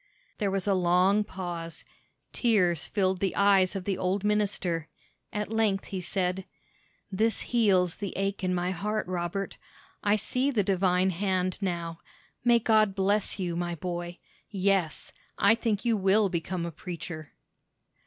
There was a long pause. Tears filled the eyes of the old minister. At length he said: "This heals the ache in my heart, Robert. I see the divine hand now. May God bless you, my boy. Yes, I think you will become a preacher."